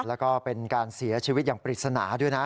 แล้วก็เป็นการเสียชีวิตอย่างปริศนาด้วยนะ